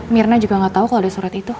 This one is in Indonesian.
mirna juga gak tau kalau ada surat itu